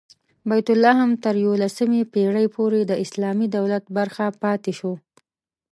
بیت لحم تر یوولسمې پېړۍ پورې د اسلامي دولت برخه پاتې شو.